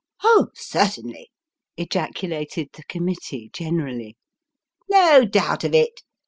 " Oh, certainly !" ejaculated the committee generally. " No doubt of it